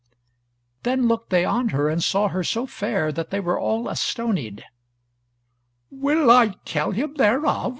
Then looked they on her, and saw her so fair that they were all astonied. "Will I tell him thereof?"